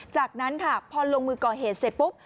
จากนั้นค่ะพอลงมือก่อเหตุเสร็จปุ๊บ